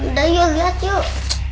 udah yuk lihat yuk